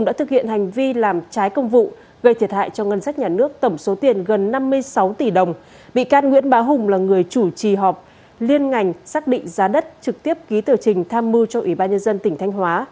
liên ngành xác định giá đất trực tiếp ký tờ trình tham mưu cho ủy ban nhân dân tỉnh thanh hóa